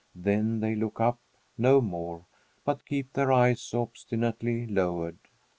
Then they look up no more, but keep their eyes obstinately lowered.